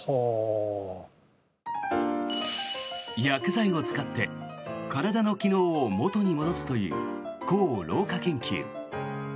薬剤を使って体の機能を元に戻すという抗老化研究。